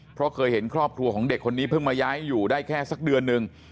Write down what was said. เพราะเคยเห็นครอบครัวของเด็กคนนี้เพิ่งมาย้ายอยู่ได้แค่สักเดือนนึง